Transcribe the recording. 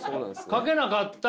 「書けなかった」。